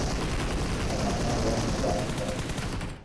Panama وہ مقام ہے۔